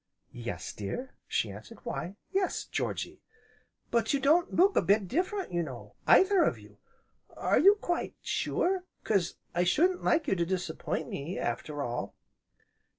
"Yes, dear," she answered, "why yes, Georgy." "But you don't look a bit diff'rent, you know, either of you. Are you quite sure? 'cause I shouldn't like you to disappoint me, after all."